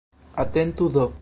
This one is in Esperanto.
Atentu do.